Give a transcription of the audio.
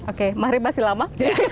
oke mari mas ilama